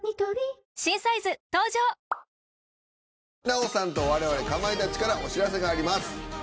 奈緒さんと我々かまいたちからお知らせがあります。